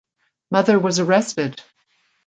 Mother was arrested.